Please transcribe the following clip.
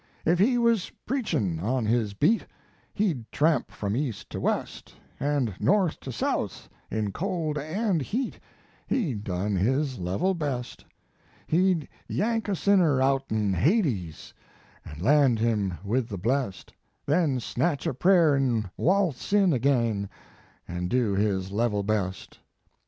If he was preachin* on his beat, He d tramp from east to west, And north to south in cold and heat He done his level best. He d yank a sinner outen (Hades),* And land him with the blest; Then snatch a prayer n waltz in again, And do his level best.